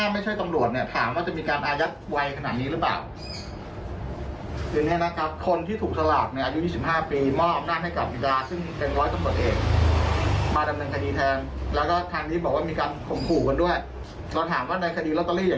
มันก็ก็จะมีการข่มขู่กันด้วยเพราะถามว่าในคดีโรตเตอรี่อย่างแบบนี้